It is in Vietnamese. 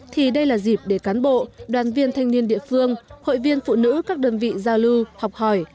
thì đây là dịp để cán bộ đoàn viên thanh niên địa phương hội viên phụ nữ các đơn vị giao lưu học hỏi